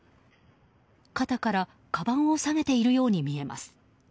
肩からかばんをさげているように見えます。